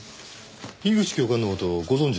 樋口教官の事ご存じなんですか？